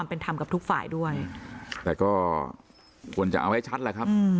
เป็นธรรมกับทุกฝ่ายด้วยแต่ก็ควรจะเอาให้ชัดแหละครับ